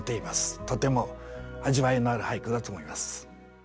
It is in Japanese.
とても味わいのある俳句だと思います。